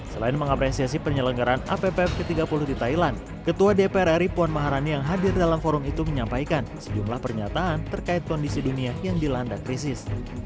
selain mengapresiasi penyelenggaraan appf ke tiga puluh di thailand ketua dpr ri puan maharani yang hadir dalam forum itu menyampaikan sejumlah pernyataan terkait kondisi dunia yang dilanda krisis